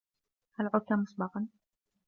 هل عدت مسبقا؟